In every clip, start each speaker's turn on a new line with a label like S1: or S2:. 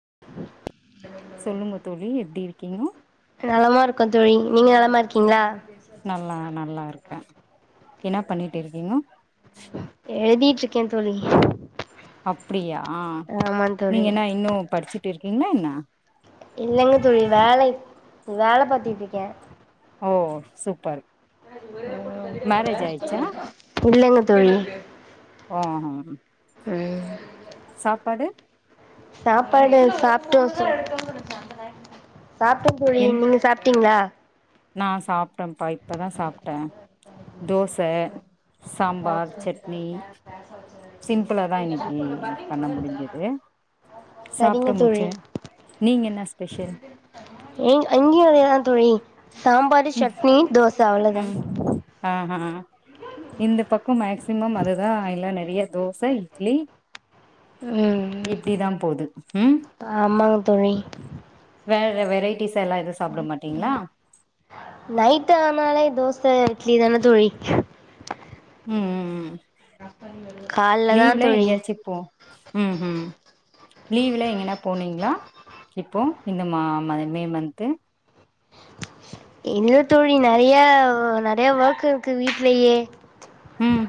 S1: [inaudible]
S2: சொல்லுங்க தோலி எப்டி இருக்கீங்கோ
S1: நல்லதா இருக்கும் தோ தோலி நீங்க நலமா இருக்கீங்களா
S2: நல்லா நல்லா இருக்கேன் என்ன பண்ணிட்டு இருக்கீங்க
S1: எழுதிட்டுருக்கேன் தோலி
S2: அப்டியா நீங்க
S1: தோழி
S2: என்ன இன்னும் படிச்சுட்டு இருக்க பின்ன என்ன
S1: இல்லைங்க தோலி வேல-வேல பாத்திட்டு இருக்கேன்
S2: ஓ சூப்பர் மேரேஜ் ஆயிடுச்சா
S1: இல்லைங்க தோழி
S2: ஹா
S1: ம்
S2: சாப்பாடு
S1: சாப்பாடு சாப்ட்டோம் சாப்பிட்ட தோலி நீங்க சாப்பிட்டீங்ளா
S2: நான் சாப்பிட்டேன்ப்பா இப்பதான் சாப்பிட்டேன் தோச சாம்பார் சட்னி சிம்பிளா தா இன்னைக்கு பண்ண முடிஞ்சது
S1: செரிங்க
S2: சாப்ட்டு
S1: தோழி
S2: முடிச்சே நீங்க என்ன ஸ்பெஷல்
S1: அங்கயும் அத தோலி சாம்பார் சட்னி தோச அவ்ளதான்
S2: ம் ஆஹா இந்த பக்கம் மேக்சிமம் அதுதான் இ ல்ல நறைய தோச இட்லி
S1: ம்
S2: இப்டிதா போது உம்
S1: [inaudible]
S2: வேற வெரை பீச இல்ல எதுவு சாப்பட மாட்டீங்ளா
S1: நைட் ஆனாலே [unintelligible] இட்லி தானே தோழி
S2: ம் ம் ம்
S1: கால்ல தா
S2: லீவ்ல
S1: தோழி
S2: எங்கயாச்சுப்போ ம் ம் லீவ்ல எங்கன போனீங்களா இப்போ இந்த மா மே மன்து
S1: இல்ல தோழி நெறைய நெறைய ஒர்க் இருக்கு வீட்லயே
S2: ம்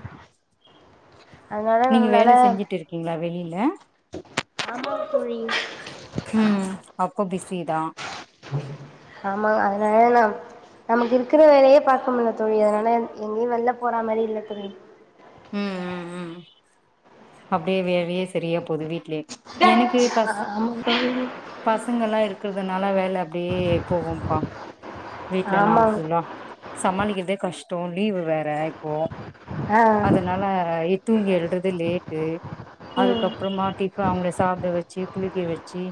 S1: அதனால
S2: நீங்க வேல செஞ்சுட்டு இருக்கீங்களா வெளிய ல
S1: ஆமா தோழி
S2: சீதா
S1: ஆ ஆமா அதனால நா நமக்கு இருக்கிற வேலயே பாக்க முடில தோழி அதனால எங்கயு வெள்ல போறா மாரி இல்ல தோழி
S2: ம் ம் ம் அப்டியே வேலயே சரியா போது வீட்லயே எனக்கு பச
S1: ஆமா தோழி
S2: பசங்கல்லா இருக்கிறதுனால வேல அப்டியே போகும்பா வீட்ல
S1: ஆமா
S2: நாலுபெருள்ள சமாளிக்குறதே கஷ் ட்டும் லீவு வேற இப்போ
S1: ஆ
S2: அதனால இ தூங்கி எழுல்றதே லேட்டு
S1: ம்
S2: அதுக்கப்றமா டிஃ அவங்கள சாப்பிட வச்சு குளிக்க வச் ச்சு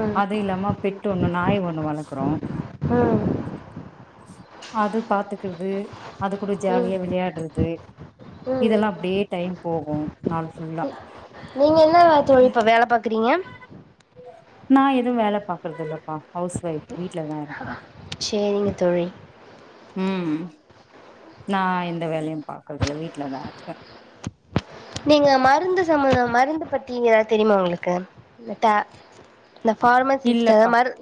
S1: ம்
S2: அது இல்லாம ப் பெட்டு ஒண்ணு நாய் ஒண்ணு வளக்றோ
S1: ம்
S2: அது பாத்துக்கிறுது அது கூட
S1: ம்
S2: ஜாலியா விளையாட்றது
S1: ம்
S2: இதெல்லாம் அப்டியே டைம் போகே நால் ஃபுல்லா
S1: நீங்க என்ன தோழி வேல பாக்குறீங்க
S2: நா எது வேல பாக்குறது இல்லப்பா ஹவுஸ் ஒயஃப் வீட்லதா இருக்கெ
S1: சேரிங்க தோழி
S2: ம் நா எந்த வேலையு பாக் [unintelligible] வீட்லதா இருக்கே
S1: நீங்க மருந்து சம்பந்தம் மருந்து பத்தி ஏதாவது தெரியுமா உங்களுக்கு இல்லாட்டா இந்த ஃபார்மா சிஸ்டர்
S2: இல்லப்பா
S1: மரு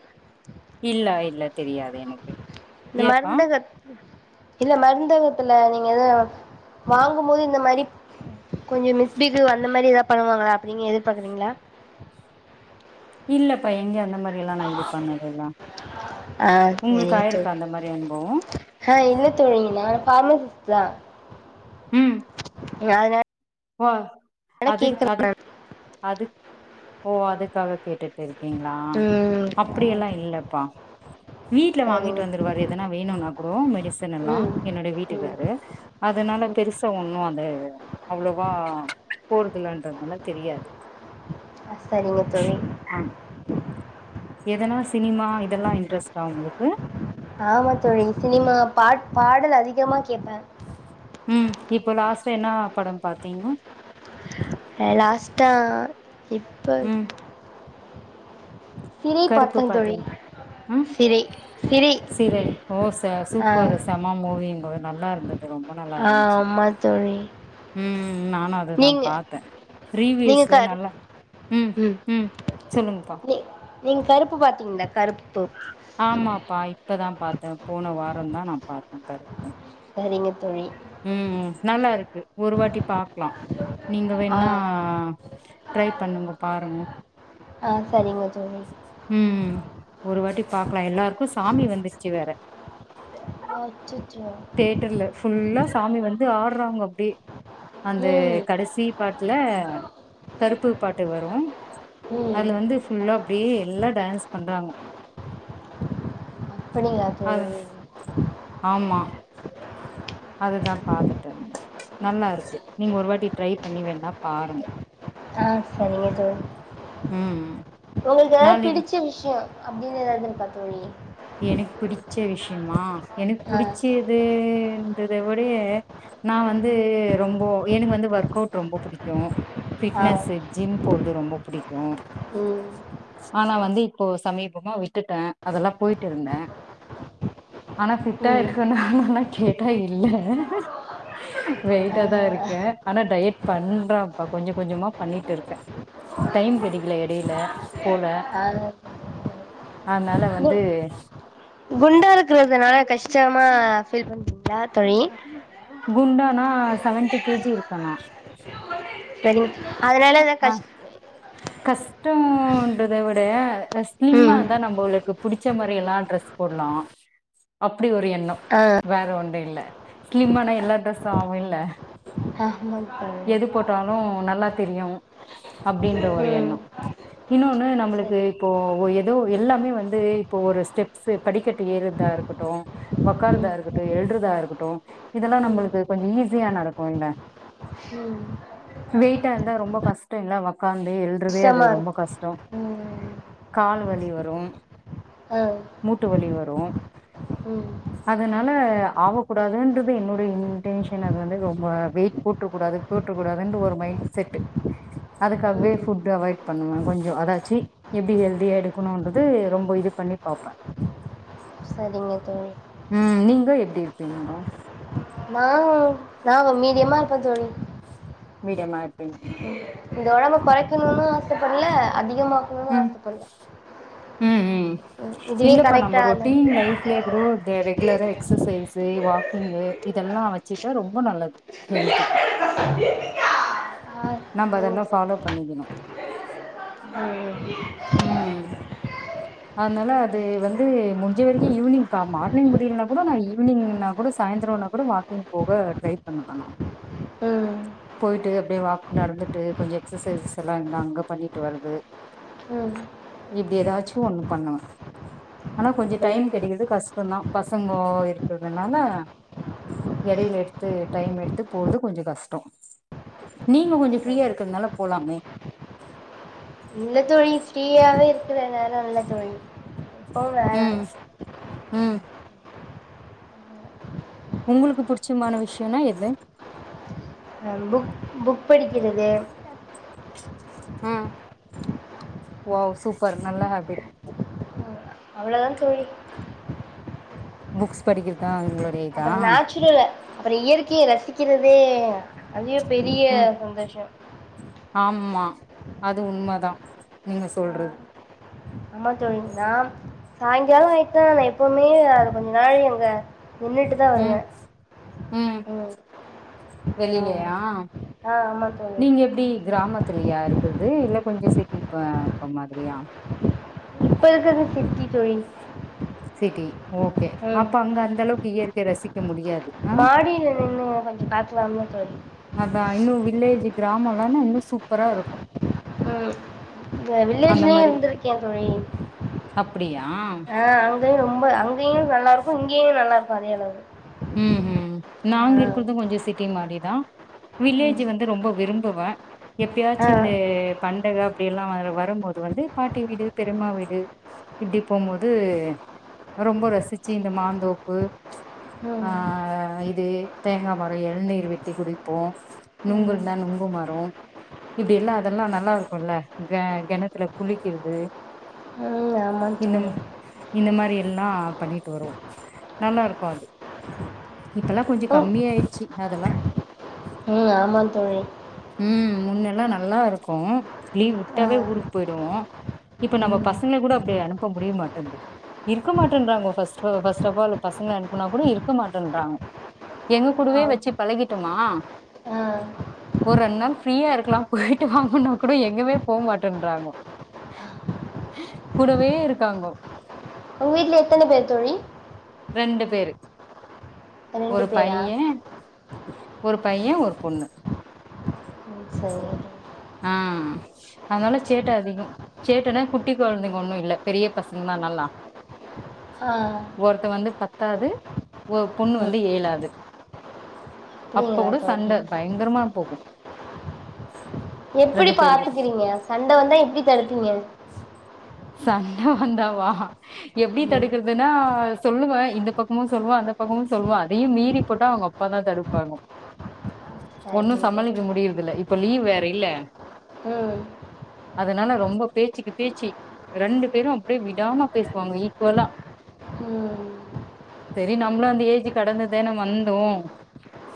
S2: இல்ல இல்ல தெரியாது எனக்கு
S1: இந்த
S2: ஏப்பா
S1: மருந்தக இல்ல மருந்தக நீங்க எத வாங்கும்போது இந்த மாரி கொஞ்சோம் மிஸ்பீஸ் அந்த மாரி ஏதாவ பண்ணுவாங்களா அப்டின்னு எதிர்பார்க்கறீங்களா
S2: இல்லப்பா எங்கயனா அந்த மாரி எல்லா நா இது பண்ணதுல்ல
S1: ஆ
S2: உங்களுக்கு
S1: செரிங்க தோழி
S2: ஆயிருக்கா அந்த மாரி அனுபவோ
S1: பர்வால சிஸ்டர்
S2: ம்
S1: [unintelligible] வேற
S2: ஓ அதுக் அதுக் அது ஓ அதுக்காக கேட்டுட் ட்ருக்கீங்களா
S1: ம்
S2: அப்டியலா இல்லப்பா வீட்ல
S1: ஆமா
S2: வாங்கிட்டு
S1: சரிங்க
S2: வந்துருவாரு எதனா வேணும்னா கூடோ மெடிசன்னலா
S1: ம்
S2: என்னுடைய
S1: ம்
S2: வீட்டுக்காரு அதனால பெருசா ஒண்ணும் அது பொதுவா போறதில்லன்றதுனால தெரியாது
S1: அ சரிங்க தோழி
S2: எதுனா சினிமா இதெல்லா இன்ட்ரெஸ்டா உங்களுக்கு
S1: ஆமா தோழி சினிமா பாட் பாடல் அதிகமா கேட்பேன்
S2: உம் இப்போ லாஸ்ட்டா என்னவா படம் பாத்தீங்கோ
S1: இலாஸ்டா இப்ப
S2: ம்
S1: சிறை
S2: கருப்பு
S1: பாத்தே தோழி
S2: பாத்தீங்க ம் சிறை ஓ ச
S1: ஆ
S2: சூப்பர் செம மூவிங்க நல்லா இருந்தது ரொம்ப நல்லா
S1: ஆ
S2: இருந்துச்சு
S1: ஆமா தோழி
S2: ம் ம் நானும் அதுதான்
S1: நீங்க
S2: பாத்தேன்
S1: நீங்க
S2: ரீவேஸ்
S1: கரு
S2: நல்லா ம் ம் சொல்லுங்கப்பா
S1: நீங்கள் கருப்பு பாத்தீங்களா கருப்பு
S2: ஆமாப்பா இப்பதா பாத்தே போன வாரோம்தா நா பாத்தேன் பாத்தே
S1: சரிங்க தோழி
S2: ம் நல்லா இருக்கு ஒரு வாட்டி பாக்கலாம் நீங்க
S1: ஆ
S2: வேனா டரை பண்ணுங்க பாருங்க
S1: ஆ செரிங்க
S2: ம் ம் ஒரு வாட்டி பாக்கலா எல்லாருக்கு சாமி வந்துட்ச்சு வேற
S1: அச்சச்சோ
S2: தேட்டர்ல ஃபுல்லா சாமி வந்து ஆட்றாங்க அப்டியே அந்த
S1: ம்
S2: கடைசி பாட்ல கருப்பு பாட்டு வரு
S1: ம்
S2: அதுல வந்து ஃபுல்லா அப்டியே எல்லா டா டான்ஸ் பண்றாங்க
S1: அப்டிங்களா [inaudible]
S2: அதுதான் பாத்துட்டேன் நல்லா இருக்கு நீங்க ஒரு வாட்டி ட்ரை பண்ணி வேணா பாருங்க
S1: ஆ செரிங்க ஜோ
S2: ம்
S1: உங்களுக்கு ஏதாவது
S2: நாளைக்
S1: பிடிச்ச விஷயம் அப்படின்னு எதாவதுு பார்த்தோி
S2: எனக்கு பிடி பிடிச்ச விஷயம்மா எனக்கு
S1: ஆ
S2: புடிச்சது த விட நான் வந்து ரொம்ப எனக்கு வந்து ஒர்க் அவுட் ரொம்ப பிடிக்கும்
S1: ஆ
S2: பிட்னஸ் ஜிம் போறது ரொம்ப பிடிக்கும்
S1: ம்
S2: ஆனா வந்து இப்போ சமீபமா விட்டுட்டேன் அதெல்லாம் போயிட்டு இருந்தேன் ஆனா ஃபிட்டா
S1: ம்
S2: இருக்குன்னுா கேட்டா இல்ல வெயிட்டா
S1: ஆஹா
S2: தான் இருக்கே ஆனா டயட் பண்றப்பா கொஞ்சம் கொஞ்சமா பண்ணிட்டு இருக்கேன் டைம் கிடைக்கல இடையில போல
S1: ஆ
S2: அதனால வந்து அதோஸ்
S1: குண்டாருக் இருக்குறதுனால கஷ்டமா பீல் பண்
S2: [inaudible] குண்டானா செவன்டிி கேஜி இருக்கலா
S1: சரிங்க அதனாலா தான் கஷ்
S2: கஷ்டம்கரத விட ஸ்லிம்ம
S1: ம்
S2: தான் நம்ம உளுக்கு புடிச்ச மாரி எல்லாம் டரெஸ் போடலாம் அப்படி ஒரு எண்ணம்
S1: ஆ
S2: வேற ஒன்றும் இல்லை ஸ்லிம்னா எல்லா ட்ரெஸ்ஸும் ஆகவும் இல்ல
S1: ஆமாங் தோழி
S2: எது போட்டாலும் நல்லா இருக்கு [unintelligible] அப்படின்ற ஒரு
S1: ம்
S2: எண்ணம் இன்னொன்னு நம்மளுக்கு
S1: சரி
S2: இப்போ ஏதோ எல்லாமே வந்து இப்ப ஒரு படிக்கட்டு ஏறுதா இருக்கட்டும்க்காரதா
S1: ம்
S2: இருக்கும் எழுறதா இருக்கட்டும் இதெல்லாம்
S1: ம்
S2: நமளுக்கு கொஞ்சம் ஈசியா நடக்கும்
S1: ம்
S2: இ பிட்டா இருந்தா ரொம்ப கஷ்டம் இல்ல உக்காந்து தூ எல்றதே அ
S1: கஷ்டமா
S2: ரொம்ப
S1: இருக்கு
S2: கஷம்
S1: ம்
S2: கா வழி வரும்
S1: ஆ
S2: மூட்டு வழி வரும்
S1: ம்
S2: ன ஆகக்கூடாதுன்றது என்னோடைய இன்டென்ஷன் அது வந்து ரொம்ப வெயிட் போட்ரக்கூடாது போட்ரக்கூடாது ஒரு மைண்ட் [inaudible] செட்டு அதுக்காகவே
S1: ம்
S2: ஃபுட்டு் அவாய்ட் பண்ணுவேன் கொஞ்சம் அதாச்சு எப்படி ஹெல்தியா எடுக்கணும்ன்றது ரொம்ப இது பண்ணி பார்ப்பேன்
S1: சரிங்க தோழி
S2: உம் நீங்க எப்டி இருப்பீங்க
S1: நான் ந மீதியமா இருப்ப தோழி
S2: வீடியோ மாரி
S1: இந்த ஒடம்பு கொறக்கணும்னு ஆச படல அதிக
S2: ம் ம் ம்
S1: இதுவே
S2: இல்லப்பா நம்ம
S1: கரெக்டான
S2: ரோட்டின் லைப்ல கூட ரெகுலரா எக்ஸசைஸு வாக் கிங் இதெல்லாம் வச்சுட்டா ரொம்ப நல்லது ஹெல்த்துக்கு
S1: ஆ
S2: நம்ப
S1: சரிங்க
S2: அதலாம் ஃபாலோ
S1: தோழி
S2: பண்ணிக்கணும் உம் அதனால அது வந்து முஞ்ச வரைக்கும் ஈவினிங் மார்னிங் முடியலனா கூட ந ஈவினிங்னா கூட சாந்தரம்னா கூட வாக்கிங் போக ட்ரை பண்ணுவன் நான்
S1: ம்
S2: போய்ட்டு அப்டியே வாக் நடந்துட்டு கொஞ்சம் எக்ஸ்சசைஸ் எல்லாம் இருந்தா அங்க பண்ணிட்டு வருது
S1: ம் ம்
S2: இப்படி ஏதாச்சும் ஒண்ணும் பண்ணுவேன் ஆனா கொஞ்சம்
S1: அப்டியே
S2: டைம் கிடைக்குறது கஷ்டம தான் பசங்க இருக்கிறதுனால இடில எடுத்து டைம் எடுத்து போடுறது கொஞ்சம் கஷ்டம் நீங்க கொஞ்சம் ஃப்ரீயா
S1: சரி
S2: இருக்கிறதுனால போலாமே
S1: நல்ல தோழி ஃப்ரீயாவே இருக்கறதுனால இல்ல தோழி எப்பவு வேலதா
S2: உம் உம் உங்களுக்கு புடிச்சமான விஷயம்னா எது
S1: வந்து புக் படி கிறது
S2: ஹம் உவாவ் சூப்பர் நல்ல ஹாபிட்
S1: அவ்ளவுதான் தோழி
S2: புக்ஸ் படிக்கிறதான் அவங்
S1: அப்புறம் நேச்சுரல அப்புறம் இயற்கையை ரசிக்கிறது அதுவே பெரிய
S2: ம்
S1: சந்தோஷம்
S2: ஆமா அது உண்மை தான் நீங்க சொல்றது
S1: ஆமா தோழி நா சாயங்காலம் ஆயிட்டுநா நான் எப்வுமே அது கொஞ்ச நாளி அங்க நின்னுட்டு தான் வருவேன்
S2: உம்
S1: ஆமா
S2: வெளியிலையா
S1: ஆ ஆமா தோழி
S2: நீங்க எப்டி கிராம ஃப்ரியா இருக்றது இல்ல கொஞ்சம் சிட்டிலகுல்ல இருக்க மாதிரியா
S1: இப்ப இருக்கது சிட்டி தோழி
S2: சிட்டி ஓகே
S1: ம்
S2: அப்ப அங்க அந்த அளவுக்கு இயற்க ரசிக்க முடியாது ஆ
S1: மாடியில நின்னு கொஞ்சம் காத்து வாங்கலாம் தோழி
S2: கிராமம்லாம்னா இன்னும் சூப்பரரா இருக்கும்
S1: உம்
S2: அந்த
S1: வில்லேஜ்லயும்
S2: மாரி
S1: இருந்திருக்கேன் தோழி
S2: அப்டியா
S1: ஆஹ் அங்கும் ரொம்ப அங்க ும் நல்லா இருக்கும் இங்கேயும் நல்லா இருக்கும் வளையளவு
S2: ம் உம் நாங்க இருக்கறதும் கொஞ்சம் சிக்க பத்தி மாதிரிதான் வில்லேஜ்
S1: ம்
S2: வந்து ரொம்ப விரும்புவன் எப்பயாச்சும் இந்த
S1: ஆ
S2: பண்டகை அப்படி எல்லாம் வ வரும்போது வந்து பாட்டி வீடு பெருமா வீடு இப்படி போகும்போது ரொம்ப ரசிச்சு இந்த மாந்தோப்பு
S1: ம்
S2: ஆஹ் இது தேங்காய் மரம் எழ்நீர் வெட்டி குடிப்போம்
S1: ம்
S2: நுங்குல்்தான் நுங்கு மரம் இப்படி எல்லாம் அதெல்லாம் நல்லா இருக்கும்ல்ல க கிணத்துல குளிக்கிறது
S1: ம் ஆமாம்
S2: இ
S1: தோழி
S2: இந்த மாதிரி எல்லாம் பண்ணிட்டு வருவோம் நல்லா இருக்கும் அது இப்பல்லாம் கொஞ்சம் கம்மிய ஆயிடுச்சு அதெல்லாம்
S1: உம் ஆமா தோழி
S2: முன்னெல்லாம் நல்லா இருக்கும் லீவ்
S1: ஆ
S2: விட்டாவே ஊருக்கு போயவோம் இப்ப நம்ம
S1: ம்
S2: பசங்களை கூட அப்படி அனுப்ப முடிய மாட்டேது இருக்க மாட்டேநூறாங்க பரஸ்ட்பால் இருக்க மாட்டேன்றாங்க எங்க கூடவே
S1: ஆ
S2: வச்சு பழகட்டுமா
S1: ஆ
S2: ஒரு ரெண்டு நாள் ஃப்ரீயா இருக்கலாம் போயிட்டு வாங்கனா கூட எங்கமே போக மாட்டேன்றாங்கோ கூடவே இருக்காங்கோ
S1: உங்க வீட்ல எத்தன பேரு தோழி
S2: ரெண்டு பேரு
S1: ரெண்டு
S2: ஒரு
S1: பேரா
S2: பையன் ஒரு பையன் ஒரு பொண்ணு
S1: சரி
S2: ஆஹ் அதனால சேட்டை அதிகம் சேட்டைனா குட்டி குழந்தைங்க ஒண்ணும் இல் பெரிய பசங்கல்லாம் நல்லாம்
S1: ஆஹ்
S2: பத்தாவது பொண்ணு வந்து ஏழாவது அப்ப
S1: அப்படிங்களா
S2: கூட
S1: தோழி
S2: சண்டை பயங்கரமா போகும்
S1: எப்டி
S2: பேருக்கு
S1: பாத்துக்கறீங்க சண்ட வந்தான் எப்டி தடுப்பீங்க
S2: சண்டை வந்த வாா எப்படி
S1: ம்
S2: தடுக்கறிறதுன்னா சொல்லுவேன் இந்த பக்கமும் சொல்லுவான் அந்த பக்கமும் சொல்லுவான் அதையும் மீறி போட்டா அவங்க அப்பாதான் தடுப்பாங்க ஒண்ணும்
S1: சரிங்க தோழி
S2: சமாளிக்க முடியுதல இப்ப லீவ் வேற இல்ல
S1: ம்
S2: அதனால ரொம்ப பேச்சுக்கு பேச்சு ரெண்டு பேரும் அப்படியே விடாம பேசுவாங்க ஈக்குவலா
S1: ம்
S2: சரி நம்மளும் அந்த ஏஜ் கடந்ததான வந்தோம்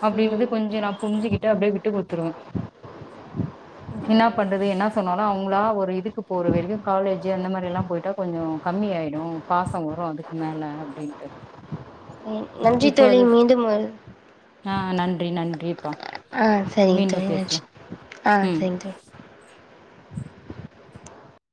S2: அப்படின்றது
S1: ம் ம்
S2: கொஞ்சம் நான் புரிஞ்சுகிட்டு அப்படியே விட்டு குடுத்துருவேன் என்ன பண்றது என்ன சொன்னாலும் அவங்களா ஒரு இதுக்கு போற வரைக்கும் காலேஜ் அந்த மாதிரி எல்லாம் போயிட்டா கொஞ்சம் கம்மிய ஆயிடும் பாசம் வரும் அதுக்கு மேல அப்படின்ட்டு
S1: நன்றி தோழி மீண்டும் ஒரு
S2: ஆஹ் நன்றி நன்றி இப்போ
S1: ஆ செரிங்க தோலி நனச்ச ஆ
S2: ம்
S1: செரிங்க தோலி